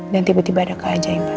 dan tiba tiba ada keajaiban